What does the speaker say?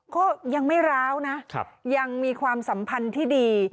ก็ยังไม่ร้าวนะยังมีความสัมพันธ์ที่ดี